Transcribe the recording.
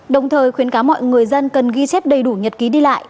đồng thời khuyến cáo mọi người dân cần ghi chép đầy đủ nhật ký đi lại